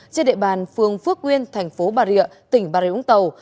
trên địa bàn phương phước nguyên thành phố bà rịa tỉnh bà rịa úng tàu